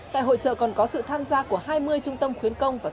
tại hội trợ còn có sự tham gia của hai mươi trung tâm khuyến công và